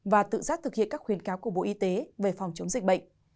và tự giác thực hiện các khuyến cáo của bộ y tế về phòng chống dịch bệnh